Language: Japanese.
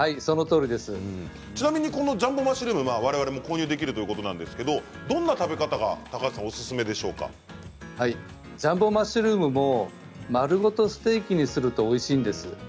ちなみにジャンボマッシュルーム我々も購入できるということですがどんな食べ方がジャンボマッシュルームも丸ごとステーキにするとおいしいんです。